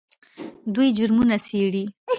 دوی جرمونه څیړي.